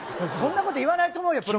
そんなこと言わないと思うよ。